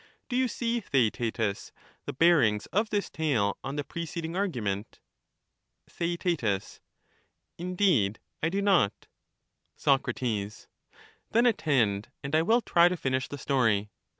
Do you see, Theaetetus, the bearings soc«ate8, of this tale on the preceding argument ? XHEABrrrus. Theaet, Indeed I do not. Soc. Then attend, and I will try to finish the story.